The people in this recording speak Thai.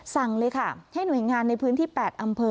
สั่งเลยค่ะให้หน่วยงานในพื้นที่๘อำเภอ